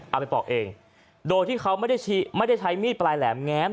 เอาไปปอกเองโดยที่เขาไม่ได้ชี้ไม่ได้ใช้มีดปลายแหลมแง้ม